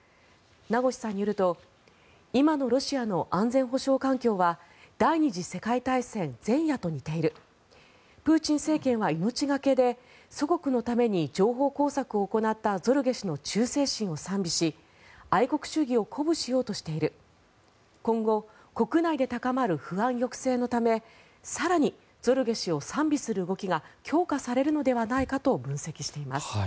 名越さんによると今のロシアの安全保障環境は第２次世界大戦前夜と似ているプーチン政権は、命がけで祖国のために情報工作を行ったゾルゲ氏の忠誠心を賛美し愛国主義を鼓舞しようとしている今後国内で高まる不安抑制のため更にゾルゲ氏を賛美する動きが強化されるのではないかと分析しています。